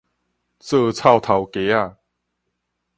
做臭頭雞仔